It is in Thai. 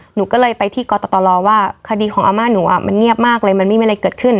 หนูก็เลยไปที่กตรว่าคดีของอาม่าหนูมันเงียบมากเลยมันไม่มีอะไรเกิดขึ้น